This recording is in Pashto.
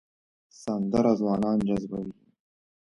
سندره ځوانان جذبوي